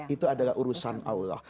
itu adalah urusan allah